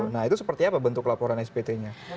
nah itu seperti apa bentuk laporan spt nya